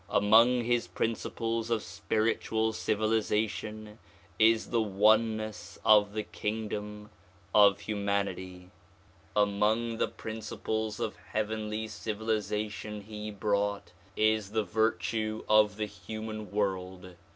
Among his principles of spiritual civilization is the oneness of the kingdom of humanity. Among the principles of heavenly civilization he brought is the virtue of the human world.